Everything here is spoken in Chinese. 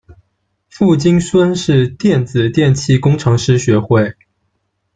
傅京孙是电气电子工程师学会。